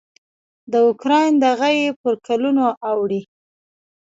د اوکراین دغه یې پر کلونو اوړي.